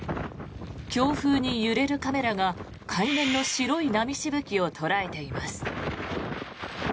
強風に揺れるカメラが海面の白い波しぶきを捉えています。